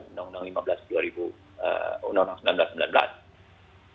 undang undang lima belas dua ribu sembilan belas